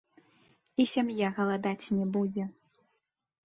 І сям'я галадаць не будзе.